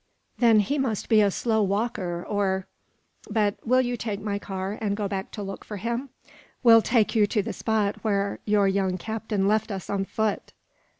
"Then he must be a slow walker, or but will you take my car and go back to look for him? Will take you to the spot where your young captain left us on foot?"